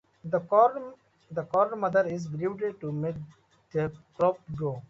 The Corn Mother is believed to make the crop grow.